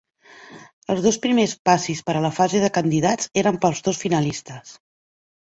Els dos primers passis per a la fase de Candidats eren pels dos finalistes.